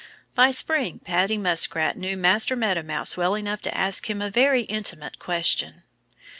By spring Paddy Muskrat knew Master Meadow Mouse well enough to ask him a very intimate question.